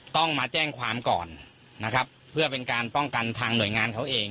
ต้องมาแจ้งความก่อนนะครับเพื่อเป็นการป้องกันทางหน่วยงานเขาเอง